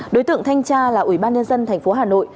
đối tượng thanh tra là ủy ban nhân dân tp hà nội